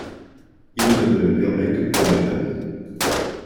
Il ne me le permet que pour mes bains.